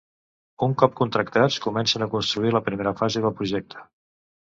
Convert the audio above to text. Un cop contractats, comencen a construir la primera fase del projecte.